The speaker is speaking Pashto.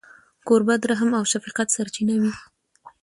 کوربه د رحم او شفقت سرچینه وي.